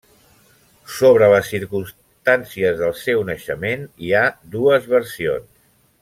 Sobre les circumstàncies del seu naixement hi ha dues versions.